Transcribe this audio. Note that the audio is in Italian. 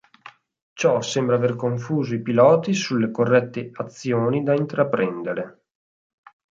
Ciò sembra aver confuso i piloti sulle corrette azioni da intraprendere.